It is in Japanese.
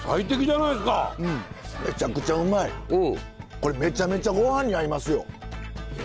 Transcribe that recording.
これめちゃめちゃごはんに合いますよ。